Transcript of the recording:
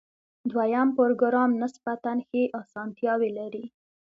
دویم پروګرام نسبتاً ښې آسانتیاوې لري.